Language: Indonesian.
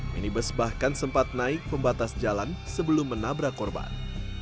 minibus bahkan sempat naik pembatas jalan sebelum menabrak korban